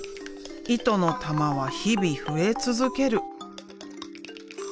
糸の玉は日々増え続ける。